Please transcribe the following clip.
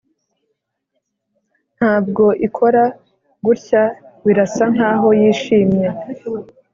ntabwo ikora gutyabirasa nkaho yishimye.